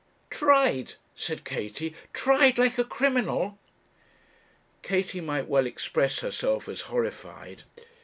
'Tried,' said Katie; 'tried like a criminal!' Katie might well express herself as horrified.